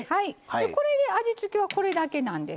これで味付けはこれだけなんです。